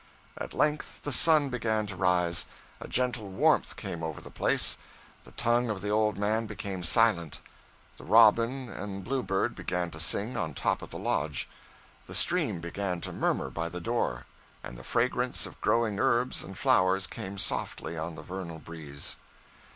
At length the sun began to rise. A gentle warmth came over the place. The tongue of the old man became silent. The robin and bluebird began to sing on the top of the lodge. The stream began to murmur by the door, and the fragrance of growing herbs and flowers came softly on the vernal breeze.